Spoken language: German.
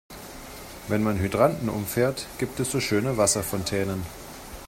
Wenn man Hydranten umfährt, gibt es so schöne Wasserfontänen.